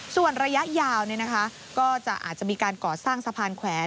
ส่วนระยะยาวก็จะอาจจะมีการก่อสร้างสะพานแขวน